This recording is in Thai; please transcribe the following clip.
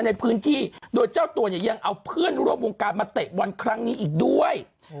ในพื้นที่โดยเจ้าตัวเนี่ยยังเอาเพื่อนร่วมวงการมาเตะบอลครั้งนี้อีกด้วย